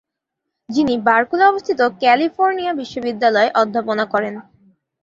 যিনি বার্কলে অবস্থিত ক্যালিফোর্নিয়া বিশ্ববিদ্যালয়ে অধ্যাপনা করেন।